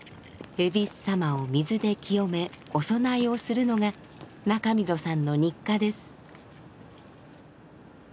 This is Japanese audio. えびす様を水で清めお供えをするのが中溝さんの日課です。